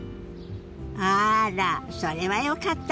あらそれはよかったわね！